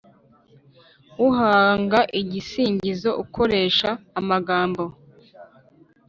Uhanga igisingizo akoresha amagambo